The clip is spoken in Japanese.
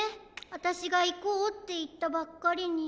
あたしが「いこう」っていったばっかりに。